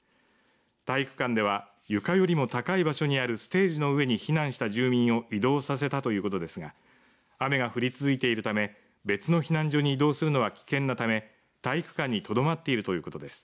体育館では床よりも高い場所にあるステージの上に避難した住民を移動させたということですが雨が降り続いているため別の避難所に移動するのは危険なため体育館にとどまっているということです。